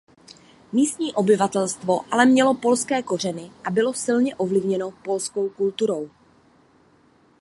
Místní obyvatelstvo ale mělo polské kořeny a bylo silně ovlivněno polskou kulturou.